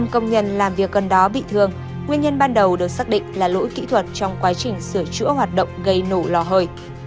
một mươi công nhân làm việc gần đó bị thương nguyên nhân ban đầu được xác định là lỗi kỹ thuật trong quá trình sửa chữa hoạt động gây nổ lò hơi